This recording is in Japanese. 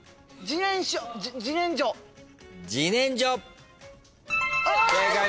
じねんじょか。